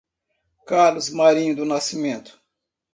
Carlos Marinho do Nascimento